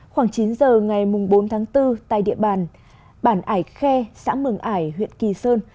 khoảng chín giờ ngày bốn tháng bốn tại địa bàn bản ải khe xã mường ải huyện kỳ sơn